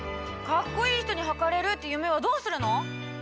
かっこいい人にはかれるって夢はどうするの！？